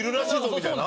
みたいな？